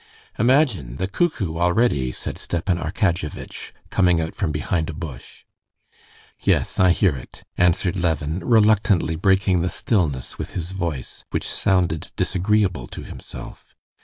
"Imagine! the cuckoo already!" said Stepan Arkadyevitch, coming out from behind a bush. "Yes, I hear it," answered Levin, reluctantly breaking the stillness with his voice, which sounded disagreeable to himself.